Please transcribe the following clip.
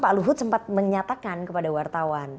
pak luhut sempat menyatakan kepada wartawan